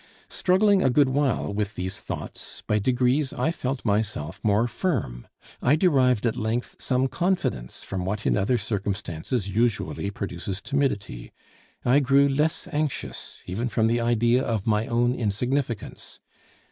Struggling a good while with these thoughts, by degrees I felt myself more firm. I derived at length some confidence from what in other circumstances usually produces timidity. I grew less anxious, even from the idea of my own insignificance.